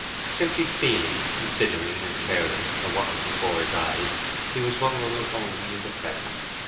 Simply feeling, considering, and caring for what was before his eyes, he was vulnerable only in the present.